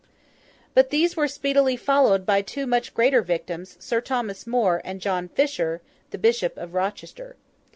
But, these were speedily followed by two much greater victims, Sir Thomas More, and John Fisher, the Bishop of Rochester.